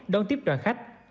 đón tiếp đoàn khách